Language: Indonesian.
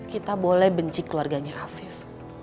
kita boleh benci keluarganya afif